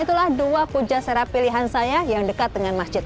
itulah dua puja serapilihan saya yang dekat dengan masjid